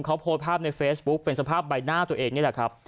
เขาโพสต์ภาพในเฟซบุ๊คเป็นสภาพใบหน้าตัวเองนี่แหละครับ